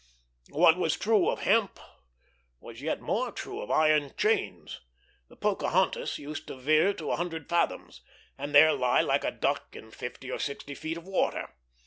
What was true of hemp was yet more true of iron chains. The Pocahontas used to veer to a hundred fathoms, and there lie like a duck in fifty or sixty feet of water.